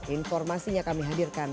informasinya kami hadirkan